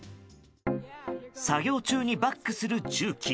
作業中にバックする重機。